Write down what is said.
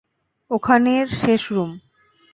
ওখানের শেষ রুম।